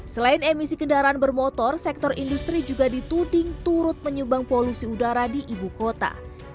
selain emisi kendaraan bermotor sektor industri juga dituding turut menyumbang polusi udara di ibu kota